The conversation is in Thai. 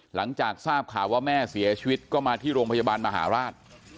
หลังจากทราบข่าวว่าแม่เสียชีวิตก็มาที่โรงพยาบาลมหาราช